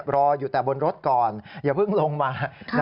รออยู่แต่บนรถก่อนอย่าเพิ่งลงมา